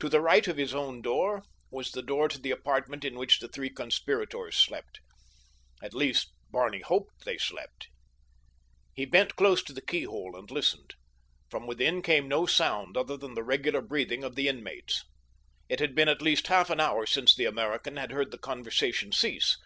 To the right of his own door was the door to the apartment in which the three conspirators slept. At least, Barney hoped they slept. He bent close to the keyhole and listened. From within came no sound other than the regular breathing of the inmates. It had been at least half an hour since the American had heard the conversation cease.